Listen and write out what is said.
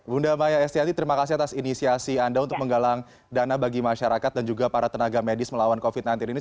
bunda maya estianti terima kasih atas inisiasi anda untuk menggalang dana bagi masyarakat dan juga para tenaga medis melawan covid sembilan belas ini